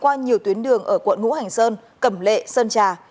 qua nhiều tuyến đường ở quận ngũ hành sơn cẩm lệ sơn trà